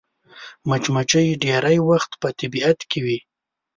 مچمچۍ ډېری وخت په طبیعت کې وي